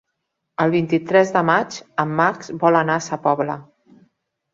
El vint-i-tres de maig en Max vol anar a Sa Pobla.